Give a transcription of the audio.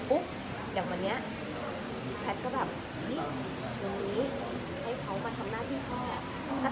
บอกพี่เบนถึงไม่ยังว่าทางวันนี้เดี๋ยวมารับลูกนะ